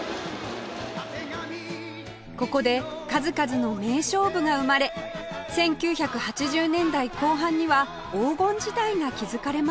ここで数々の名勝負が生まれ１９８０年代後半には黄金時代が築かれました